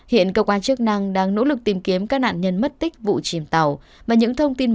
hiện công an chức năng đang nỗ lực tìm kiếm các nạn nhân mất tích vụ chìm tàu